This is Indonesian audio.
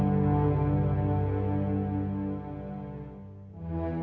aku mau kemana